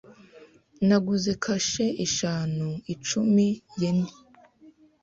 Naguze kashe eshanu icumi-yen .